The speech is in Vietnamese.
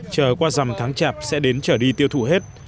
chờ qua dằm tháng chạp sẽ đến trở đi tiêu thụ hết